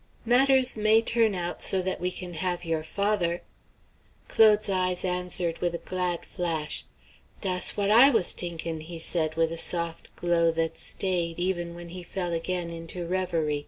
"Matters may turn out so that we can have your father" Claude's eyes answered with a glad flash. "Dass what I was t'inkin'!" he said, with a soft glow that staid even when he fell again into revery.